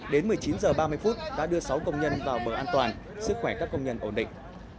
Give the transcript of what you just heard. đến một mươi chín h ba mươi đã đưa sáu công nhân vào bờ an toàn sức khỏe các công nhân ổn định